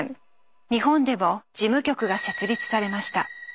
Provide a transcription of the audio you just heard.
日本でも事務局が設立されました。